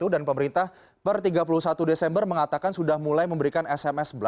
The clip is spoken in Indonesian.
dan pemerintah per tiga puluh satu desember mengatakan sudah mulai memberikan sms